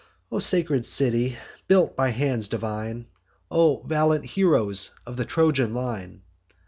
O sacred city, built by hands divine! O valiant heroes of the Trojan line!